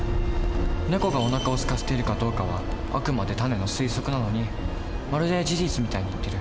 ネコがおなかをすかせているかどうかはあくまでタネの推測なのにまるで事実みたいに言ってる。